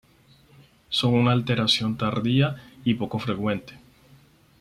Son una alteración tardía y poco frecuente.